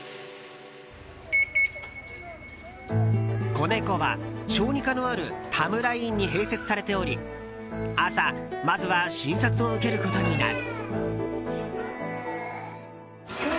こねこは小児科のあるたむら医院に併設されており朝、まずは診察を受けることになる。